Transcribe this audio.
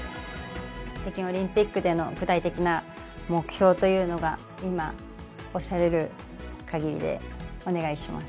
北京オリンピックでの具体的な目標というのが今、おっしゃれるかぎりでお願いします。